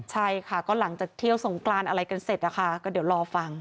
ใช่ค่ะก็หลังจากเที่ยวสงกรานอะไรกันเสร็จนะคะก็เดี๋ยวรอฟัง